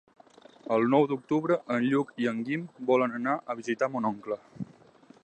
El nou d'octubre en Lluc i en Guim volen anar a visitar mon oncle.